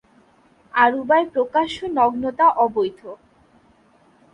আরুবায় প্রকাশ্য নগ্নতা অবৈধ।